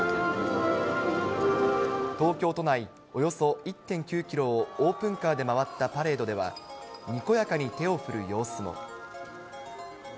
東京都内およそ１．９キロをオープンカーで回ったパレードでは、にこやかに手を振る様子も。